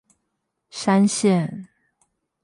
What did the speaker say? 山線